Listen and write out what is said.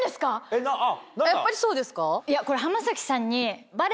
やっぱりそうですか？